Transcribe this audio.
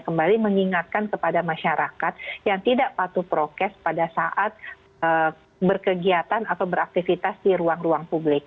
kembali mengingatkan kepada masyarakat yang tidak patuh prokes pada saat berkegiatan atau beraktivitas di ruang ruang publik